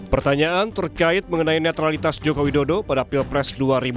pertanyaan terkait mengenai netralitas joko widodo pada pilpres dua ribu dua puluh